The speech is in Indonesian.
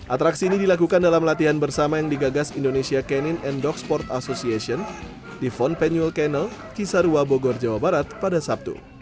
atraksi ini dilakukan dalam latihan bersama yang digagas indonesia canine and dog sport association di von penuel kennel kisarua bogor jawa barat pada sabtu